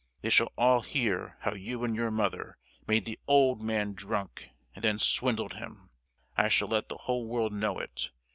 They shall all hear how you and your mother made the old man drunk, and then swindled him! I shall let the whole world know it!